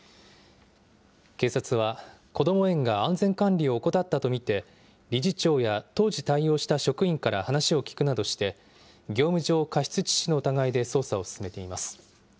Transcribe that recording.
警察は、こども園が安全管理を怠ったと見て、理事長や当時対応した職員から話を聴くなどして業務上過失致死の疑いで捜査を進めています。